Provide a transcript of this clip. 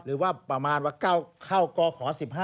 หรือว่าประมาณว่าเข้ากข๑๕